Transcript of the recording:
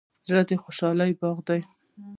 زړه د خوشحالۍ باغ دی.